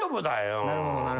なるほどなるほど。